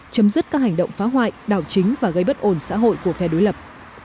chấm dứt các hành động phá hoại đảo chính và gây bất ổn xã hội của phe đối lập